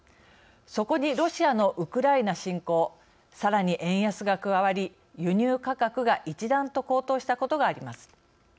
そこにロシアのウクライナ侵攻さらに円安が加わり輸入価格が一段と高騰したことがあります。